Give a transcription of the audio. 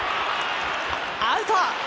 アウト！